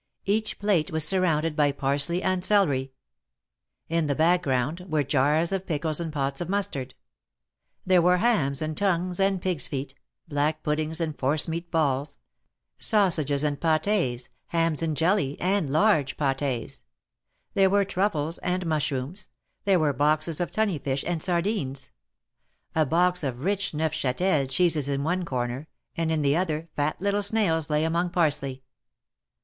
Each plate was surrounded by parsley and celery. In the background were jars of pickles and pots of mustard. There were hams and tongues and pigs' feet, black puddings and force meat balls, sausages and pat4s, hams in jelly, and large pat6s; there were truffles and mushrooms ; there were boxes of tunny fish and sardines ; a box of rich Neufchatel cheeses in one corner, and in the other, fat little snails lay among parsley.